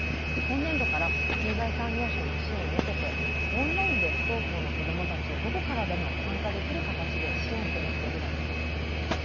今年度から経済産業省の支援を受けてオンラインで不登校の子どもたちをどこからでも参加できる形で支援するプログラムです。